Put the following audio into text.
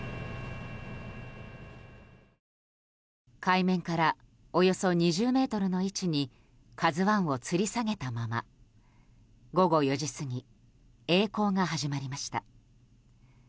海面からおよそ２０ｍの位置に「ＫＡＺＵ１」をつり下げたまま午後４時過ぎ曳航が始まりました。